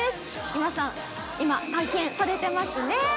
皆さん、今体験されていますね。